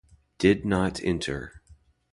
Did not enter.